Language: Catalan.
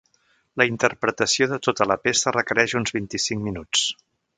La interpretació de tota la peça requereix uns vint-i-cinc minuts.